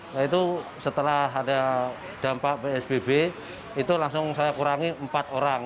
nah itu setelah ada dampak psbb itu langsung saya kurangi empat orang